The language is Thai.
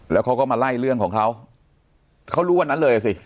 แล้วเขาก็มาไล่เรื่องของเขาเขารู้วันนั้นเลยอ่ะสิ